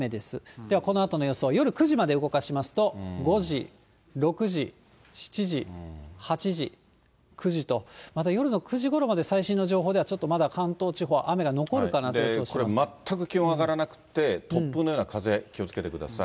ではこのあとの予想、夜９時まで動かしますと、５時、６時、７時、８時、９時と、また夜の９時ごろまで最新の情報では、ちょっとまだ関東地方、これ全く気温上がらなくて、突風のような風、気をつけてください。